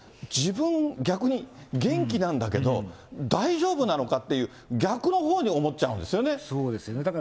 自分、逆に元気なんだけど、大丈夫なのかっていう、逆のほうに思っちゃうんですそうですね、